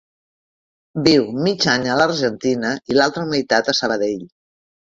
Viu mig any a l'Argentina i l'altra meitat a Sabadell.